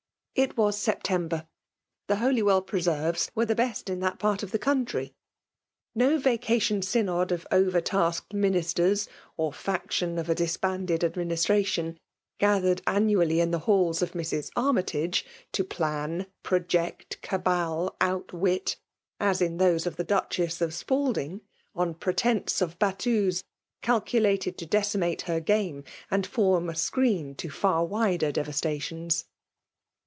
It was September. The Holywell pre serves vrere the best in that part of the country. No vacation synod of over tasked ministers^ or fection of a disbanded adminis tration, gathered annually in the halls of Mrs. Axmytage, to plan, project, cabal, outwit, — as 16 FEMALE DOMINATION. in thoBe of the Duchess of Spalding, on^ptc^ teace aSbaltuM, calculated to dedmate her gatoe, and form a screen to far vnder devaiE^ tatioDs.